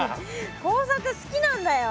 工作好きなんだよ。